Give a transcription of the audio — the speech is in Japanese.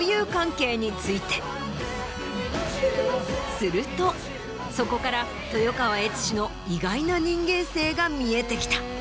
するとそこから豊川悦司の意外な人間性が見えてきた。